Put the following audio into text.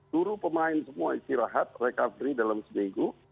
seluruh pemain semua istirahat recovery dalam seminggu